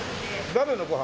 誰のご飯？